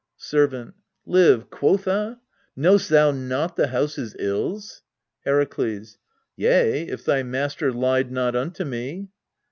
Servant. Live, quotha ! knowst thou not the house's ills? Herakles. Yea, if thy master lied not unto me.